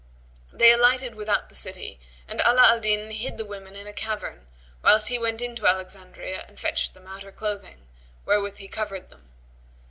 They alighted without the city and Ala al Din hid the women in a cavern, whilst he went into Alexandria and fetched them outer clothing, wherewith he covered them.